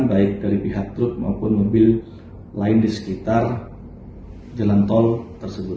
baik dari pihak truk maupun mobil lain di sekitar jalan tol tersebut